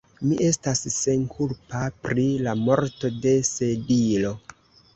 Mi estas senkulpa pri la morto de Sedilo.